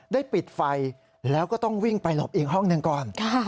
ปิดไฟแล้วก็ต้องวิ่งไปหลบอีกห้องหนึ่งก่อน